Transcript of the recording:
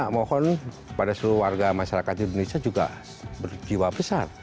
dan saya mohon pada seluruh warga masyarakat indonesia juga berjiwa besar